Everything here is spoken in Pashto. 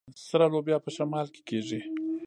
سره لوبیا په شمال کې کیږي.